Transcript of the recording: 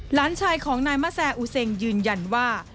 หลานชายของนายมะแซ่อูเซงยืนยันว่า